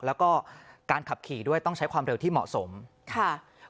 แล้วก็การขับขี่ด้วยต้องใช้ความเร็วที่เหมาะสมค่ะ